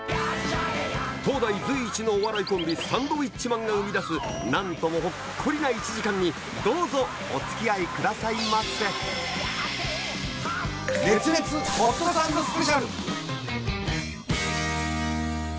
当代随一のお笑いコンビサンドウィッチマンが生み出す何ともほっこりな１時間にどうぞお付き合いくださいませＳＰ！